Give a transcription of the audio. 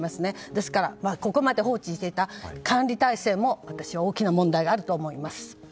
ですからここまで放置していた管理体制も私は大きな問題があると思います。